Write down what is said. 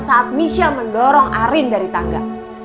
saat michelle mendorong arin dari tangga